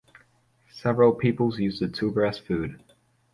Several peoples use the tuber as food.